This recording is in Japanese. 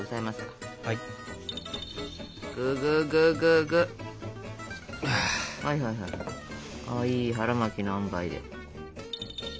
かわいい腹巻きのあんばいで。